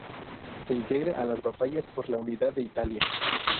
Se integra a las batallas por la unidad de Italia.